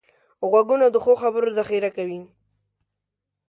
غوږونه د ښو خبرو ذخیره کوي